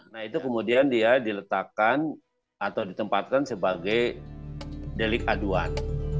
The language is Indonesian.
nah itu kemudian dia diletakkan atau ditempatkan sebagai delik aduan